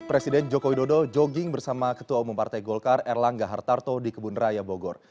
presiden joko widodo jogging bersama ketua umum partai golkar erlangga hartarto di kebun raya bogor